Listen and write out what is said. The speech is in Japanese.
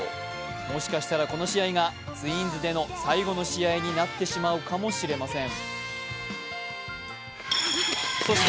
もしかしたらこの試合がツインズでの最後の試合になってしまうかもしれません。